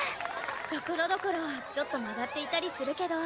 ところどころちょっと曲がっていたりするけど。